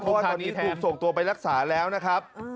พอตอนนี้กลุ่มส่งตัวไปรักษาแล้วนะครับ